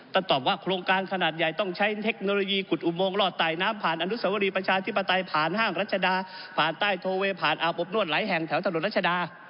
ตอบว่าโครงการขนาดใหญ่ต้องใช้เทคโนโลยีขุดอุโมงรอดตายน้ำผ่านอนุสวรีประชาธิปไตยผ่านห้างรัชดาผ่านใต้โทเวผ่านอาบอบนวดหลายแห่งแถวถนนรัชดา